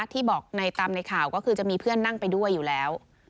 ที่บอกในตามในข่าวก็คือจะมีเพื่อนนั่งไปด้วยอยู่แล้ว